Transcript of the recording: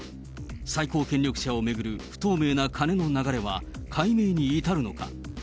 最高権力者を巡る不透明な金の流れは、解明に至るのか。